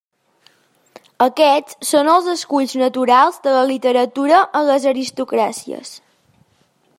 Aquests són els esculls naturals de la literatura en les aristocràcies.